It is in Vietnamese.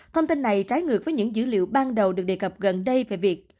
thông tin này trái ngược với những dữ liệu ban đầu được đề cập gần đây về việc